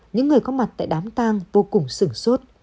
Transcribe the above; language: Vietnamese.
những người có mặt tại đám tang vô cùng sửng sốt